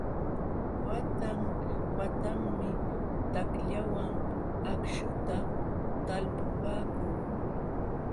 Watan watanmi takllawan akśhuta talpupaakuu.